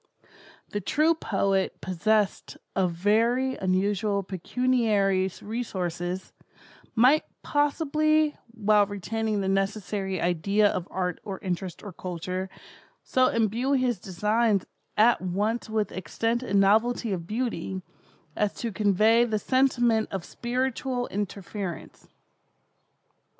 The true poet possessed of very unusual pecuniary resources, might possibly, while retaining the necessary idea of art or interest or culture, so imbue his designs at once with extent and novelty of Beauty, as to convey the sentiment of spiritual interference.